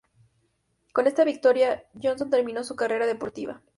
Con esta victoria, Johnson terminó su carrera deportiva.